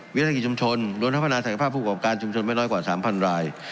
ส่งเสริมทรัพย์สร้างในการประกอบอาชีพทั้งในและนอกภาคกัศเศรษฐกร